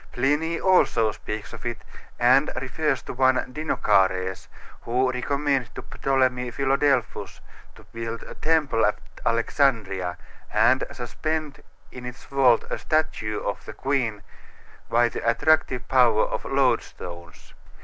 Pliny also speaks of it, and refers to one Dinocares, who recommended to Ptolemy Philadelphus to build a temple at Alexandria and suspend in its vault a statue of the queen by the attractive power of "loadstones."